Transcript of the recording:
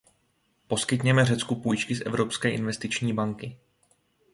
Poskytněme Řecku půjčky z Evropské investiční banky.